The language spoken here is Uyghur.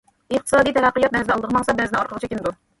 ئىقتىسادى تەرەققىيات بەزىدە ئالدىغا ماڭسا، بەزىدە ئارقىغا چېكىنىدۇ.